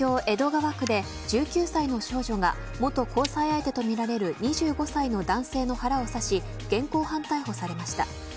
東京、江戸川区で１９歳の少女が元交際相手とみられる２５歳の男性の腹を刺し現行犯逮捕されました。